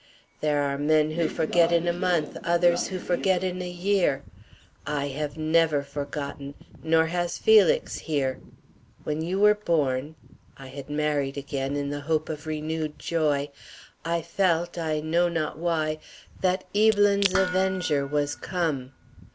"There are men who forget in a month, others who forget in a year. I have never forgotten, nor has Felix here. When you were born (I had married again, in the hope of renewed joy) I felt, I know not why, that Evelyn's avenger was come.